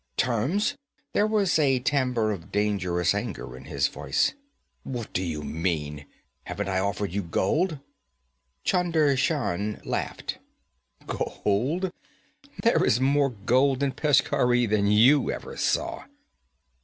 'Terms?' There was a timbre of dangerous anger in his voice. 'What do you mean? Haven't I offered you gold?' Chunder Shan laughed. 'Gold? There is more gold in Peshkhauri than you ever saw.'